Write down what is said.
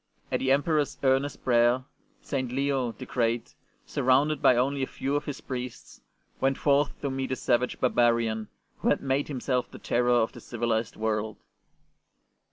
At the Emperor's earnest prayer St. Leo the Great, surrounded by only a few of his priests, went forth to meet the savage barbarian who had made himself the terror of the civilized world.